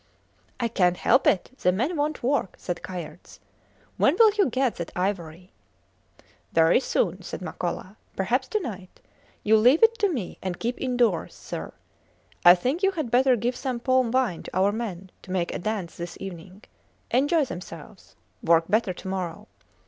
I cant help it; the men wont work, said Kayerts. When will you get that ivory? Very soon, said Makola. Perhaps to night. You leave it to me, and keep indoors, sir. I think you had better give some palm wine to our men to make a dance this evening. Enjoy themselves. Work better to morrow.